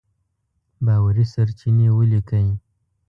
باوري سرچينې وليکئ!.